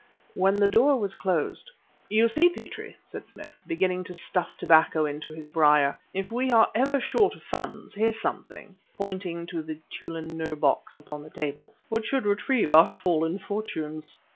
When the door was closed "You see, Petrie," said Smith, beginning to stuff tobacco into his briar, "if we are ever short of funds, here's something" pointing to the Tûlun Nûr box upon the table "which would retrieve our fallen fortunes."